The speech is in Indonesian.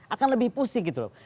akan lebih pusing gitu loh